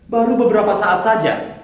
baru beberapa saat saja